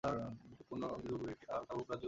পূর্বে এটি কামরুপ রাজ্যের অধীন ছিল।